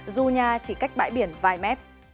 dù nhà chỉ cách bãi biển vài mét